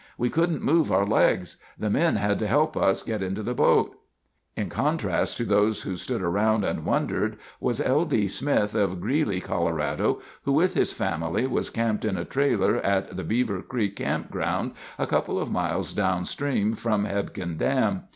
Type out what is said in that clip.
We couldn't move our legs. The men had to help us into the boat." [Illustration: Lodge by the lake] In contrast to those who stood around and wondered was L. D. Smith, of Greeley, Colorado, who with his family was camped in a trailer at the Beaver Creek Campground a couple of miles downstream from Hebgen Dam.